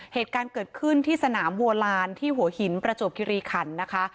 เหตุการณ์เกิดขึ้นที่สนามวัวลานที่หัวหินประจวบคิริขันนะคะ